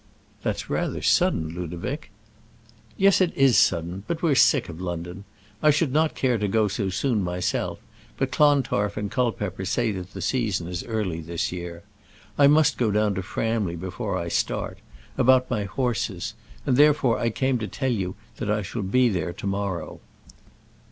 "That's rather sudden, Ludovic." "Yes, it is sudden; but we're sick of London. I should not care to go so soon myself, but Clontarf and Culpepper say that the season is early this year. I must go down to Framley before I start about my horses; and therefore I came to tell you that I shall be there to morrow."